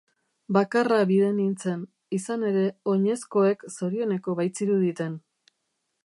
Bakarra bide nintzen, izan ere oinezkoek zorioneko baitziruditen.